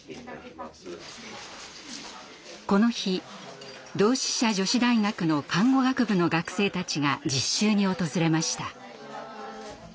この日同志社女子大学の看護学部の学生たちが実習に訪れました。